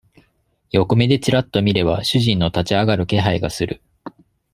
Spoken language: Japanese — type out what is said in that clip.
横目でちらっと見れば、主人の立ち上がる気配がする。